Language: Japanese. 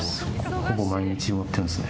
ほぼ毎日埋まってるんですね。